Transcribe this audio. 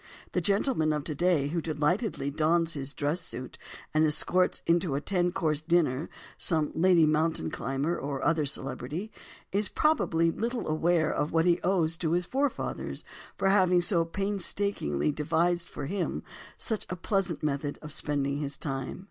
The gentleman of today who delightedly dons his dress suit and escorts into a ten course dinner some lady mountain climber or other celebrity, is probably little aware of what he owes to his forefathers for having so painstakingly devised for him such a pleasant method of spending his time.